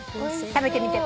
食べてみて。